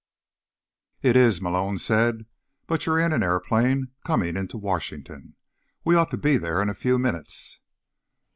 "It is," Malone said, "but you're in an airplane, coming into Washington. We ought to be there in a few minutes."